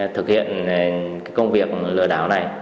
thực hiện công việc lừa đào này